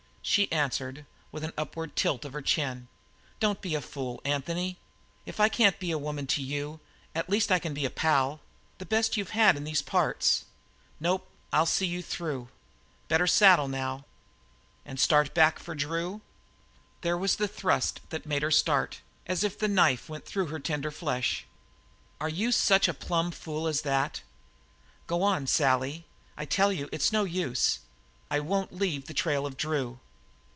She answered, with an upward tilt of her chin: "Don't be a fool, Anthony. If I can't be a woman to you, at least I can be a pal the best you've had in these parts. Nope, I'll see you through. Better saddle now " "And start back for Drew?" There was the thrust that made her start, as if the knife went through tender flesh. "Are you such a plumb fool as that?" "Go now, Sally. I tell you, it's no use. I won't leave the trail of Drew."